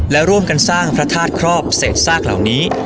และร่วมกันสร้างพระธาตุครอบเศษซากเหล่านี้